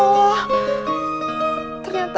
gue bisa jaringan